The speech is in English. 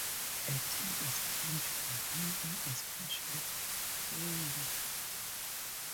A tent is pitched for him in a spacious plain.